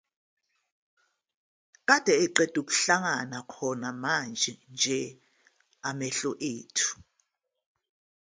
Kade eqeda kuhlangana khona manje nje amehlo ethu.